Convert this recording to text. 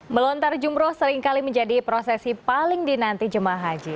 melontar jumroh seringkali menjadi prosesi paling dinanti jemaah haji